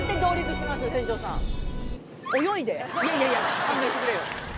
いやいや勘弁してくれよ。